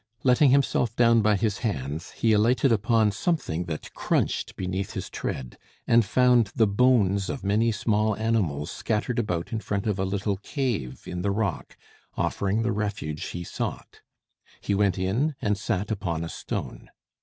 Letting himself down by his hands, he alighted upon something that crunched beneath his tread, and found the bones of many small animals scattered about in front of a little cave in the rock, offering the refuge he sought. He went in, and sat upon a stone.